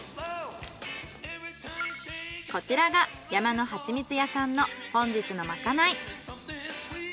こちらが山のはちみつ屋さんの本日のまかない。